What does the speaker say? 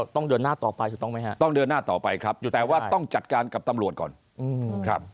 ต้องเดินหน้าต่อไปครับอยู่แต่ว่าต้องจัดการกับตำรวจก่อนครับ